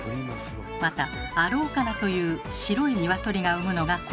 また「アローカナ」という白い鶏が産むのがこちら。